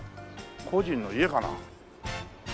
個人の家かな？